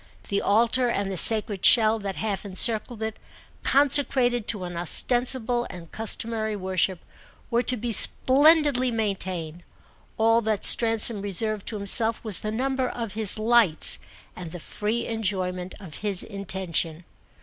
The altar and the sacred shell that half encircled it, consecrated to an ostensible and customary worship, were to be splendidly maintained; all that Stransom reserved to himself was the number of his lights and the free enjoyment of his intention.